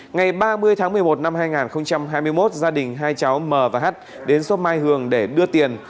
ngày ba mươi tháng một mươi một năm hai nghìn hai mươi một gia đình hai cháu m và h đến xóm mai hường để đưa tiền